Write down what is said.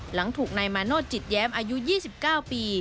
หลังถูกนายมาโนธจิตแย้มอายุ๒๙ปี